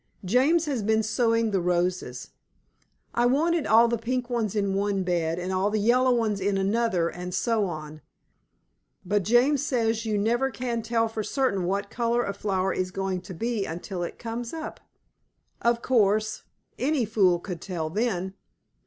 James has been sowing the roses. I wanted all the pink ones in one bed, and all the yellow ones in another, and so on; but James says you never can tell for certain what colour a flower is going to be until it comes up. Of course, any fool could tell then.